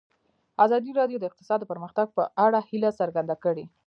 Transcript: ازادي راډیو د اقتصاد د پرمختګ په اړه هیله څرګنده کړې.